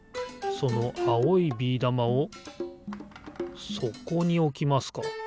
そのあおいビーだまをそこにおきますか。